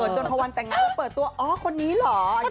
จนพอวันแต่งงานแล้วเปิดตัวอ๋อคนนี้เหรอ